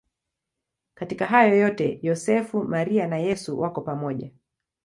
Katika hayo yote Yosefu, Maria na Yesu wako pamoja.